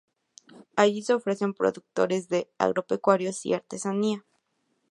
Allí se ofrecen productos agropecuarios y artesanía.